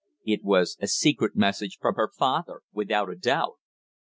It was a secret message from her father, without a doubt!